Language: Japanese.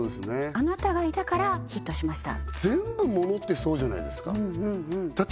あなたがいたからヒットしました全部物ってそうじゃないですかだって